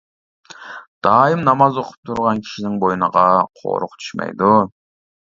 دائىم ناماز ئوقۇپ تۇرغان كىشىنىڭ بوينىغا قورۇق چۈشمەيدۇ.